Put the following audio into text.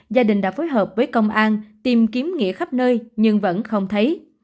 gia đình đã phối hợp với công an tìm kiếm nghĩa khắp nơi nhưng vẫn không thấy